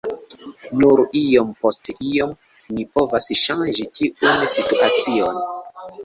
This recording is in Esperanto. Nur iom post iom ni povos ŝanĝi tiun situacion.